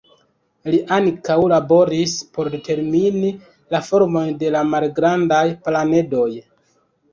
Li ankaŭ laboris por determini la formojn de la malgrandaj planedoj.